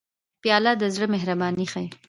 پیاله د زړه مهرباني ښيي.